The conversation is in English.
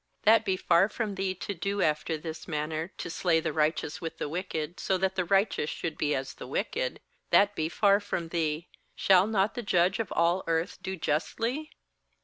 ^ ^hat be far from Thee to do after this manner, to slay the righteous with the wicked, that so the righteous should be as the wicked; that be far from Thee; shall not the Judge of all the earth do justly?'